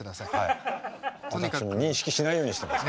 私認識しないようにしてます。